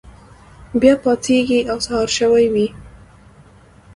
بیا پاڅیږي او سهار شوی وي.